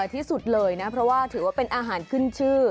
ที่สุดเลยนะเพราะว่าถือว่าเป็นอาหารขึ้นชื่อ